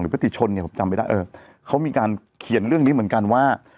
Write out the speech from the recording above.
พฤติชนเนี่ยผมจำไม่ได้เออเขามีการเขียนเรื่องนี้เหมือนกันว่า